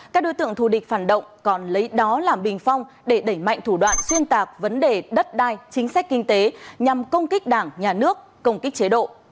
các đối tượng thù địch phản động còn lấy đó làm bình phong để đẩy mạnh thủ đoạn xuyên tạp vấn đề đất đai chính sách kinh tế nhằm công kích đảng nhà nước công kích chế độ